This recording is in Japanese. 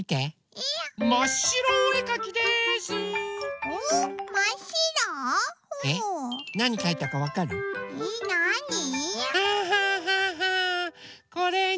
えなあに？